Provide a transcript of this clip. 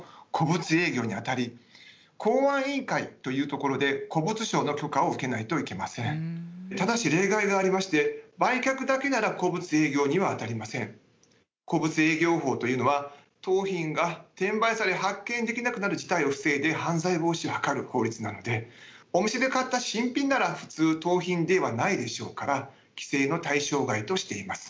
そしてこの古物を売買や交換したりして営業する場合だけでなくてただし例外がありまして古物営業法というのは盗品が転売され発見できなくなる事態を防いで犯罪防止を図る法律なのでお店で買った新品なら普通盗品ではないでしょうから規制の対象外としています。